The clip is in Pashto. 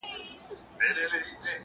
هغه بل پر جواهرو هنرونو